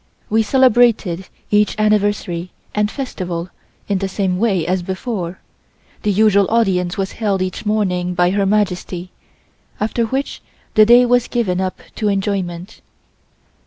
We celebrated each anniversary and festival in the same way as before: the usual audience was held each morning by Her Majesty, after which the day was given up to enjoyment.